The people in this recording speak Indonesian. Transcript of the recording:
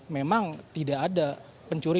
memang tidak ada pencuri